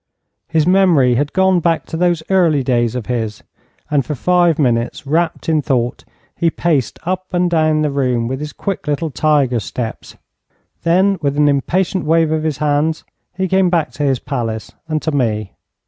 His memory had gone back to those early days of his, and for five minutes, wrapped in thought, he paced up and down the room with his quick little tiger steps. Then with an impatient wave of his hands he came back to his palace and to me.